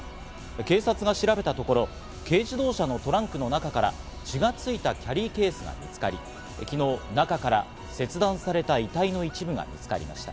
警察が調べたところ、軽自動車のトランクの中から血がついたキャリーケースが見つかり、昨日中から切断された遺体の一部が見つかりました。